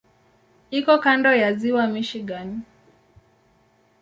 Iko kando ya Ziwa Michigan.